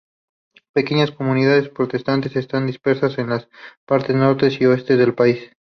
Pequeñas comunidades protestantes están dispersas en las partes norte y oeste del país.